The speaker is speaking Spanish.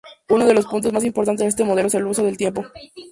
Uno de los puntos más importantes de este modelo es el uso del tiempo.